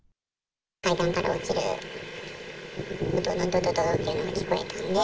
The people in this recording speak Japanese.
階段から落ちる、どどどどっていう音が聞こえたね。